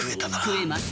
食えます。